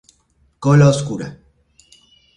Cola oscura.